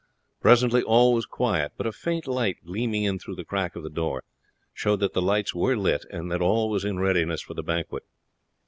Presently all was quiet, but a faint light gleaming in through the crack of the door showed that the lights were lit and that all was in readiness for the banquet.